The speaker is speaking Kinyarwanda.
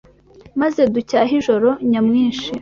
Maze ducyahe ijoro nyamwinshi